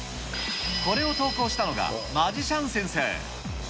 これを投稿したのが、マジシャン先生。